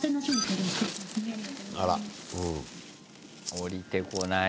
下りてこない。